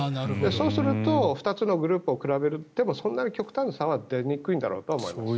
そうすると２つのグループを比べてもそんなに極端に差は出にくいんだろうと思います。